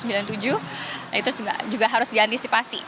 nah itu juga harus diantisipasi